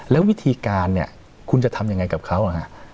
แล้ววิธีการเนี่ยคุณจะทำยังไงกับเขา